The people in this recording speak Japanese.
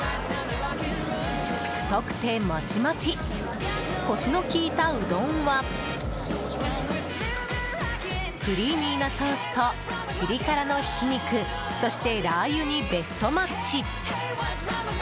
太くてモチモチコシのきいたうどんはクリーミーなソースとピリ辛のひき肉そしてラー油にベストマッチ。